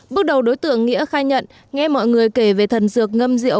bước đầu đối tượng nghĩa khai nhận nghe mọi người kể về thần dược ngâm rượu